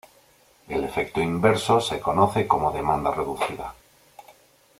El efecto inverso se conoce como demanda reducida.